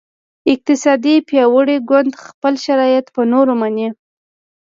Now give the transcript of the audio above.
اقتصادي پیاوړی ګوند خپل شرایط په نورو مني